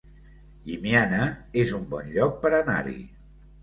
Llimiana es un bon lloc per anar-hi